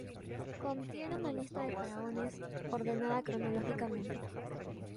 Contiene una lista de faraones ordenada cronológicamente.